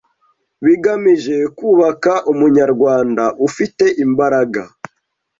bigamije kubaka Umunyarwanda ufi te imbaraga